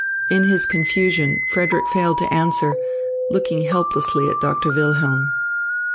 In his confusion Frederick failed to answer, looking helplessly at Doctor Wilhelm.